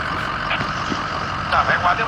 خاوند او ميرمن بايد څنګه ژوند وکړي؟